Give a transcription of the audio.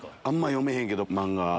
あんま読めへんけど漫画。